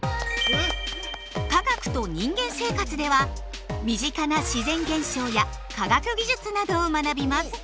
「科学と人間生活」では身近な自然現象や科学技術などを学びます。